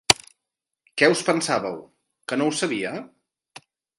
Què us pensàveu, que no ho sabia?